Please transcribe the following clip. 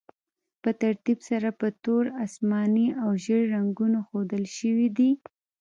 په ترتیب سره په تور، اسماني او ژیړ رنګونو ښودل شوي دي.